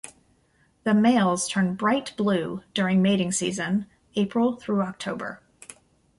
The males turn bright blue during mating season, April through October.